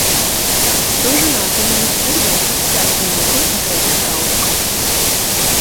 Быў жанаты, меў дзвюх дочак, пяць унукаў і траіх праўнукаў.